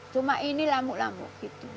cuma ini lambuk lambuk